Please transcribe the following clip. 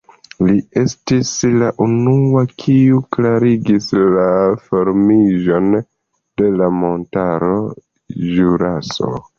Li estis la unua, kiu klarigis la formiĝon de la montaro Ĵuraso.